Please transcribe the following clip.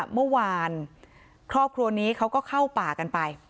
เมื่อวานครอบครัวนี้เขาก็เข้าป่ากันไป